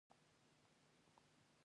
لومړی باید له دې ډول عقلانیته تېر شي.